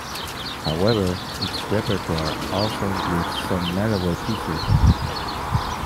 However, its repertoire also includes some mellower pieces.